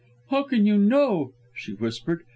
"How can you know?" she whispered.